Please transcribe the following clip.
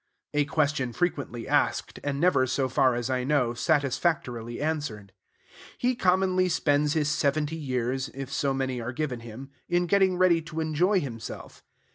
A question frequently asked, and never, so far as I know, satisfactorily answered. He commonly spends his seventy years, if so many are given him, in getting ready to enjoy himself.